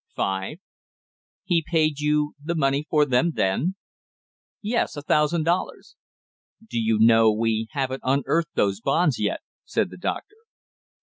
"Five." "He paid you the money for them?" "Yes, a thousand dollars." "Do you know, we haven't unearthed those bonds yet?" said the doctor.